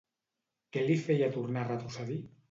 Què li feia tornar a retrocedir?